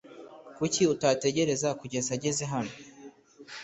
Kuki utategereza kugeza ageze hano?